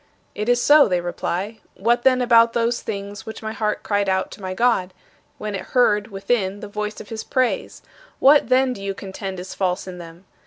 "It is so," they reply. "What, then, about those things which my heart cried out to my God, when it heard, within, the voice of his praise? What, then, do you contend is false in them?